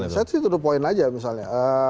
saya sih tutup poin aja misalnya